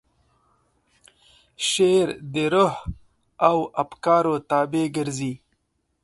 شعر د روح او افکارو تابع ګرځي.